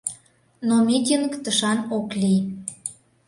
Но митинг тышан ок лий.